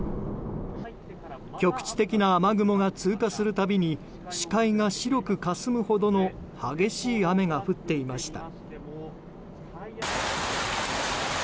局地的な雨雲が通過するたびに視界が白くかすむほどの激しい雨が降っていました。